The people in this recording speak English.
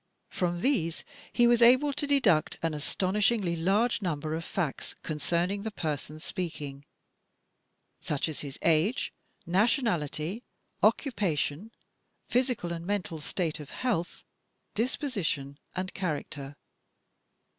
From these he was able to deduce an astonishingly large number of facts concerning the person speak ing — such as his age, nationality, occupation, physical and mental state of health, disposition, and character.